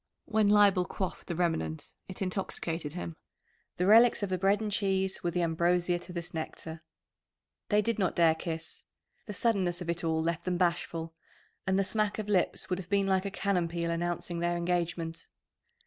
When Leibel quaffed the remnant it intoxicated him. The relics of the bread and cheese were the ambrosia to this nectar. They did not dare kiss the suddenness of it all left them bashful, and the smack of lips would have been like a cannon peal announcing their engagement.